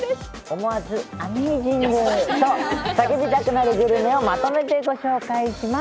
思わずＡｍａｚｉｎｇ！！と叫びたくなるグルメをまとめてご紹介します。